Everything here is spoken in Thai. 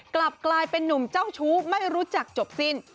กลับกลายเป็นนุ่มเจ้าชู้ไม่รู้จักจบสิ้น